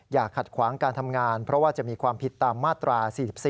ขัดขวางการทำงานเพราะว่าจะมีความผิดตามมาตรา๔๔